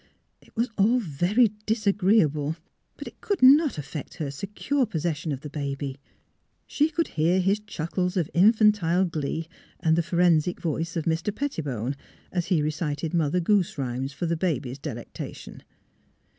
It was all very disagreeable; but it could not affect her secure possession of the baby. She could hear his chuckles of infantile glee and the forensic voice of Mr. Pettibone, as he re cited Mother Goose rhymes for the baby's delecta tion.